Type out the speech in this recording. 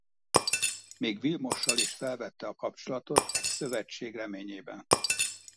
Még Vilmossal is felvette a kapcsolatot egy szövetség reményében.